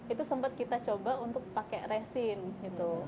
itu sempat kita coba untuk pakai resin gitu